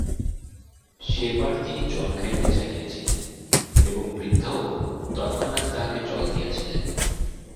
সে-বার তিনি জল খাইতে চাহিয়াছিলেন, এবং বৃদ্ধাও তৎক্ষণাৎ তাহাকে জল দিয়াছিলেন।